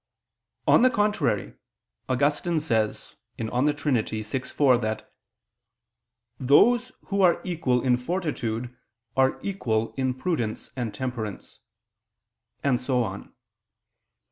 On the contrary, Augustine says (De Trin. vi, 4) that "those who are equal in fortitude are equal in prudence and temperance," and so on.